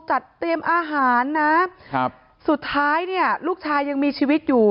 จัดเตรียมอาหารนะสุดท้ายลูกชายยังมีชีวิตอยู่